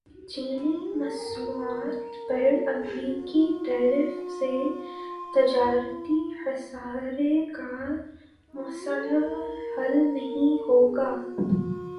چینی مصنوعات پر امریکی ٹیرف سے تجارتی خسارے کا مسئلہ حل نہیں ہوگا